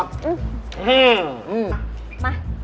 มา